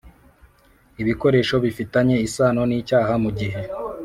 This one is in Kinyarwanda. ibikoresho bifitanye isano n icyaha mu gihe